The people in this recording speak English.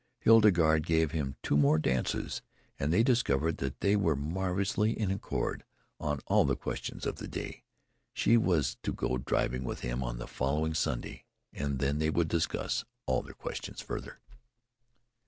Hildegarde gave him two more dances, and they discovered that they were marvellously in accord on all the questions of the day. She was to go driving with him on the following Sunday, and then they would discuss all these questions further.